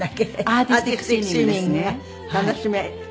アーティスティックスイミングが楽しめる。